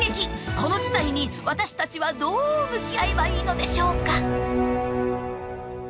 この事態に私たちはどう向き合えばいいのでしょうか？